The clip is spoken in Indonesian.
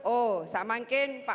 oh semoga pak